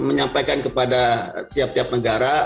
menyampaikan kepada tiap tiap negara